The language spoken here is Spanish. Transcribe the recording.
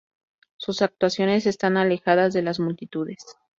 Sus actuaciones están alejadas de las multitudes.